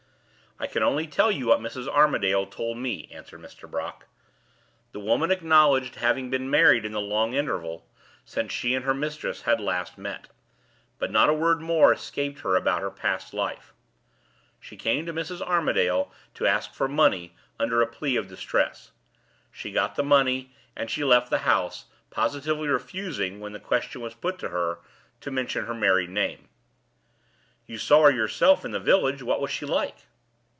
"I can only tell you what Mrs. Armadale told me," answered Mr. Brock. "The woman acknowledged having been married in the long interval since she and her mistress had last met. But not a word more escaped her about her past life. She came to Mrs. Armadale to ask for money, under a plea of distress. She got the money, and she left the house, positively refusing, when the question was put to her, to mention her married name." "You saw her yourself in the village. What was she like?"